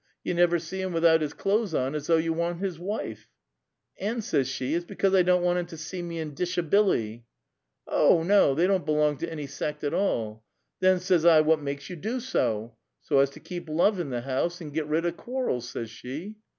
You never see him without his clo'es on, as though you wan't his wife.' And, says she, ' It's because I don't want him to see me in dishabilly.' Oh no, they don' belong to any see's at all. *Then,' says I, ' wliat makes you do so?' ' So as to keep love in the house and git rid of quarrels,' says she.